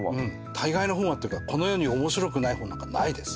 たいがいの本っていうかこの世に面白くない本なんかないです。